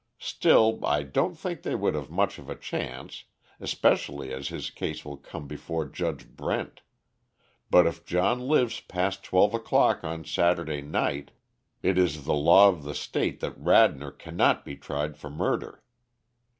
Still, I don't think they would have much of a chance, especially as his case will come before Judge Brent; but if John lives past twelve o'clock on Saturday night, it is the law of the State that Radnor cannot be tried for murder.